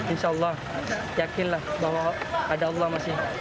insya allah yakinlah bahwa ada allah masih